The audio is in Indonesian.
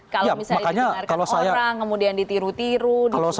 kalau misalnya ditinggalkan orang kemudian ditiru tiru